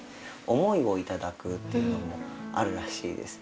「思いをいただく」というのもあるらしいです。